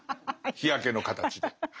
日焼けの形で。